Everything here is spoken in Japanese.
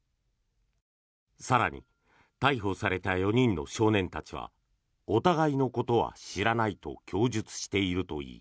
更に、逮捕された４人の少年たちはお互いのことは知らないと供述しているという。